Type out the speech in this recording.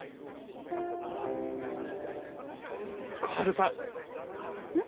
小春さん。